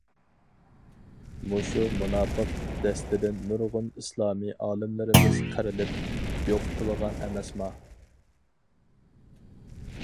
مۇشۇ مۇناپىق دەستىدىن نۇرغۇن ئىسلامى ئالىملىرىمىز قىرىلىپ يوقىتىلغان ئەمەسما!